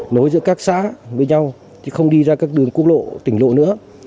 nối giữa các xã với nhau thì không đi ra các đường quốc lộ tỉnh lộ nữa